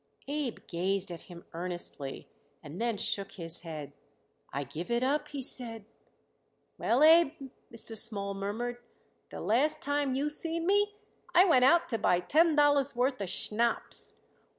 Abe gazed at him earnestly and then shook his head. "I give it up," he said. "Well, Abe," Mr. Small murmured, "the last time you seen me I went out to buy ten dollars' worth of schnapps."